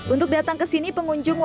untuk datang ke sini pengunjung wajib